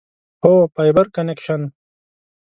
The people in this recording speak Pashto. هو، فایبر کنکشن